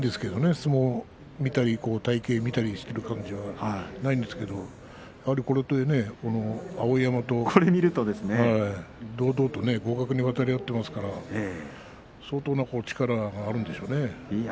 相撲を見たり体形を見ている感じではないんですけど碧山と堂々と互角に渡り合っていますから相当の力があるんでしょうね。